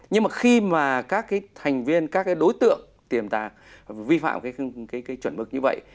nhưng mà khi mà các cái thành viên các cái đối tượng tiềm tàng vi phạm cái chuẩn mực như vậy